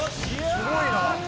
すごいな。